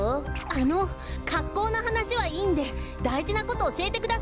あのかっこうのはなしはいいんでだいじなことおしえてください。